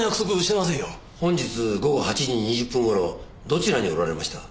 本日午後８時２０分頃どちらにおられました？